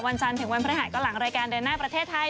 จันทร์ถึงวันพฤหัสก็หลังรายการเดินหน้าประเทศไทย